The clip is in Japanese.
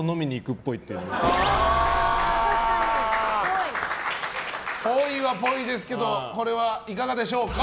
ぽいはぽいですけどこれはいかがでしょうか。